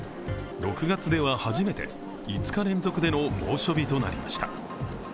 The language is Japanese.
６月では初めて５日連続の猛暑日となりました。